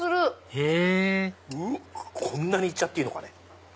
へぇこんなに行っちゃっていいのかね？